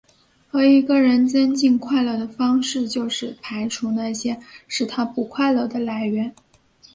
而一个人增进快乐的方式就是排除那些使他不快乐的来源。